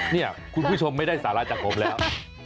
เนี่ยคุณผู้ชมไม่ได้สาระจากผมแล้ว